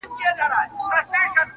پلونه یې بادونو له زمان سره شړلي دي-